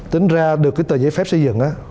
tính ra được cái tờ giấy phép xây dựng